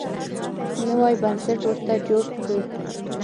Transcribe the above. نوی بنسټ ورته جوړ کړو.